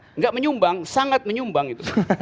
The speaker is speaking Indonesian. tidak menyumbang sangat menyumbang itu